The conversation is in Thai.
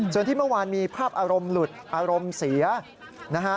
ส่วนที่เมื่อวานมีภาพอารมณ์หลุดอารมณ์เสียนะฮะ